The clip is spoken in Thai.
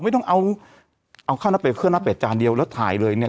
ไม่ต้องเอาเอาแค่หน้าเป็ดเครื่องหน้าเป็ดจานเดียวแล้วถ่ายเลยเนี่ย